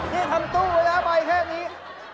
ที่ทำตู้ไว้แล้วไปแค่นี้